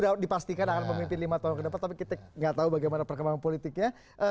sudah dipastikan akan memimpin lima tahun ke depan tapi kita nggak tahu bagaimana perkembangan politiknya